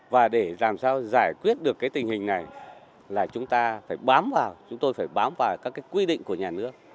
và để làm sao giải quyết được cái tình hình này là chúng ta phải bám vào chúng tôi phải bám vào các quy định của nhà nước